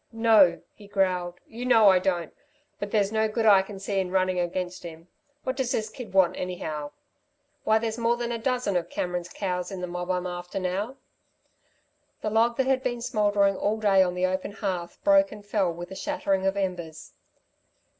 "No," he growled, "you know I don't, but there's no good I can see in running against him. What does this kid want anyhow? Why, there's more than a dozen of Cameron's cows in the mob I'm after now." The log that had been smouldering all day on the open hearth broke and fell with a shattering of embers.